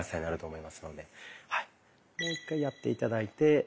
もう一回やって頂いて。